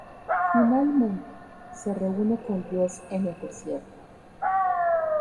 Finalmente, se reúne con Dios en el desierto.